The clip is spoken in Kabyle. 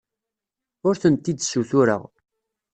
Ur tent-id-ssutureɣ.